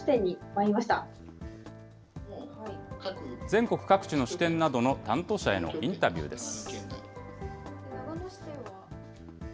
全国各地の支店などの担当者へのインタビューです。